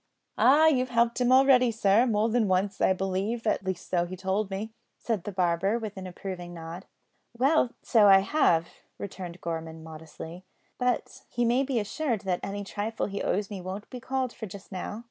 "Ah! you've helped him already, sir, more than once, I believe; at least so he told me," said the barber, with an approving nod. "Well, so I have," returned Gorman modestly, "but he may be assured that any trifle he owes me won't be called for just now.